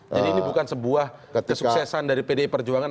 jadi ini bukan sebuah kesuksesan dari pdi perjuangan